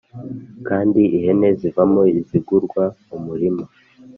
kandi ihene zivamo izigurwa umurima,